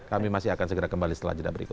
kami masih akan segera kembali setelah jeda berikut